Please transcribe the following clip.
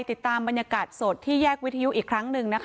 ติดตามบรรยากาศสดที่แยกวิทยุอีกครั้งหนึ่งนะคะ